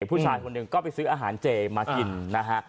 ผู้ชายคนหนึ่งก็ไปซื้ออาหารเจมากินนะฮะ